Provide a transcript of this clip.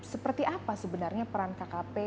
seperti apa sebenarnya peran kkp dan kkp